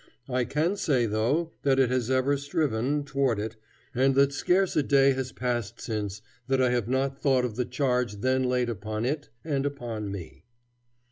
I can say, though, that it has ever striven, toward it, and that scarce a day has passed since that I have not thought of the charge then laid upon it and upon me.